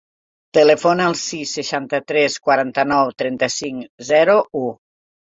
Telefona al sis, seixanta-tres, quaranta-nou, trenta-cinc, zero, u.